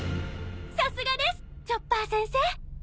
さすがですチョッパー先生！